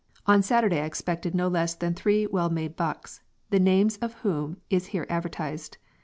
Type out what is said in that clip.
On Saturday I expected no less than three well made Bucks the names of whom is here advertised.